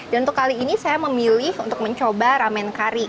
dan untuk kali ini saya memilih untuk mencoba ramen kari